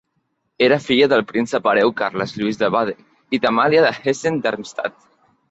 Era filla del príncep hereu Carles Lluís de Baden i d'Amàlia de Hessen-Darmstadt.